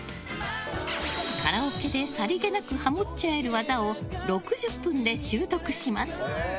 カラオケでさりげなくハモっちゃえる技を６０分で習得します！